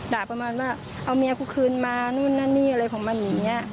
ด่าประมาณว่าเอามียากูคืนมานั้นนี่อะไรอย่างงี้